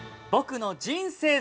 僕の人生